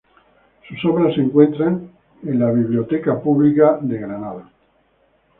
Sus obras se encuentran en la Biblioteca Astor en Nueva York.